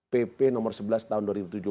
pp nomor sebelas tahun dua ribu tujuh belas